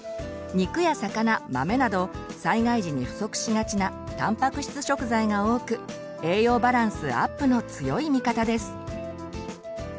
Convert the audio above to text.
肉や魚豆など災害時に不足しがちなたんぱく質食材が多く栄養バランスアップの強い味方です。